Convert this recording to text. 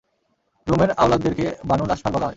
রূম-এর আওলাদদেরকে বানুল ask for বলা হয়।